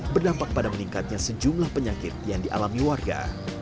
berdampak pada meningkatnya sejumlah penyakit yang dialami warga